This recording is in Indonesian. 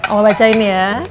oma bacain ya